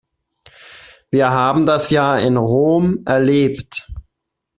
Wir haben das ja in Rom erlebt.